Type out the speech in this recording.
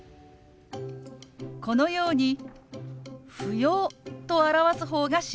このように「不要」と表す方が自然です。